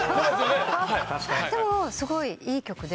でもすごいいい曲で。